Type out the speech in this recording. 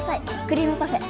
クリームパフェ。